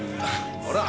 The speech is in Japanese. ほら！